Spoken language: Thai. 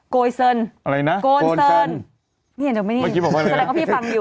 โกยเสิร์นโกนเสิร์นมิเห็นจังไหมนี่แสดงว่าพี่ฟังอยู่